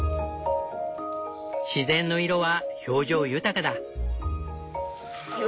自然の色は表情豊かだ。